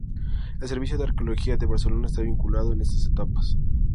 El Servicio de Arqueología de Barcelona está vinculado en estas etapas.